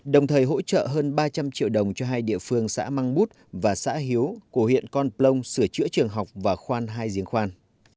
đồng thời hỗ trợ hơn ba trăm linh triệu đồng cho hai địa phương xã măng bút và xã hiếu của huyện con plong sửa chữa trường học và khoan hai giếng khoan